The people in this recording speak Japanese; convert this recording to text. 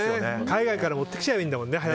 海外から持ってきちゃえばいいんだもんね。